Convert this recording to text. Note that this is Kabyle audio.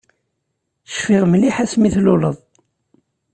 Cfiɣ mliḥ asmi tluleḍ.